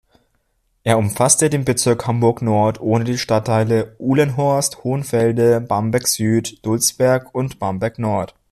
Er umfasste den Bezirk Hamburg-Nord ohne die Stadtteile Uhlenhorst, Hohenfelde, Barmbek-Süd, Dulsberg und Barmbek-Nord.